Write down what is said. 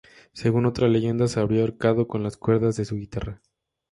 Según otra leyenda, se habría ahorcado con las cuerdas de su guitarra.